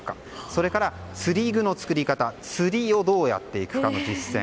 それから釣り具の作り方釣りをどうやっていくかの実践。